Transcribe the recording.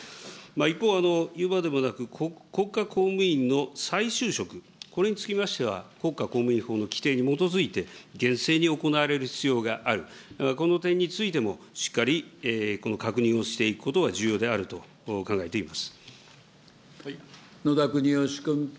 一方、言うまでもなく国家公務員の再就職、これにつきましては、国家公務員法の規定に基づいて、厳正に行われる必要がある、この点についてもしっかりこの確認をしていくことは重要であると野田国義君。